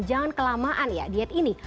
jangan kelamaan ya diet ini